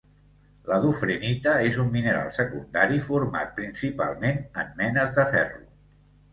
La dufrenita és un mineral secundari format principalment en menes de ferro.